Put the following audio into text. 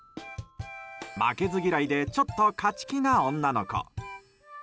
負けず嫌いでちょっと勝ち気な女の子。